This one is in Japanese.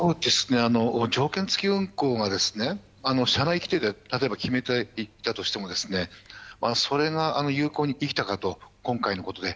条件付き運航は社内規定で例えば決めていたとしてもそれが有効にできたかと今回のことで。